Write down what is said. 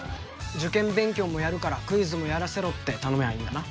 受験勉強もやるからクイズもやらせろって頼めばいいんだな。